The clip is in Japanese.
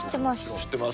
知ってます。